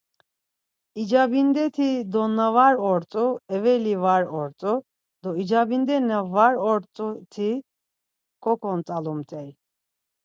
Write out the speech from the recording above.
İcabindeti do na var ort̆u, eveli var ort̆u do icabinde na var ort̆uti koǩont̆alumt̆ey.